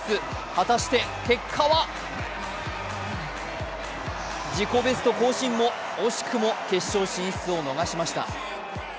果たして、結果は自己ベスト更新も、惜しくも決勝進出を逃しました。